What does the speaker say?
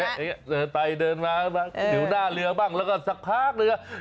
เดินไปเดินมาหยิวหน้าเรือบ้างแล้วก็สักพัก